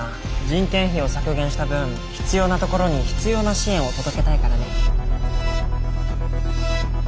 人件費を削減した分必要なところに必要な支援を届けたいからね。